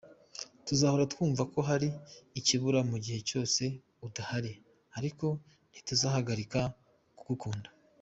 Tuzahora twumva ko hari ikibura mu gihe cyose udahari ariko ntituzahagarika kugukunda.